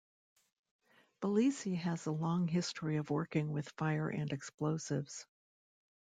Belleci has a long history of working with fire and explosives.